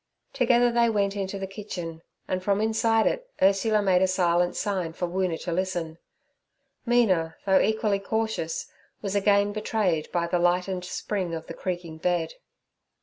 Together they went into the kitchen, and from inside it Ursula made a silent sign for Woona to listen. Mina, though equally cautious, was again betrayed by the lightened spring of the creaking bed.